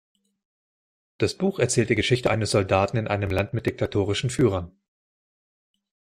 Das Buch erzählt die Geschichte eines Soldaten in einem Land mit diktatorischen Führern.